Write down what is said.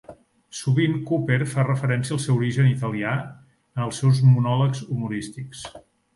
Sovint Cooper fa referència al seu origen italià en els seus monòlegs humorístics.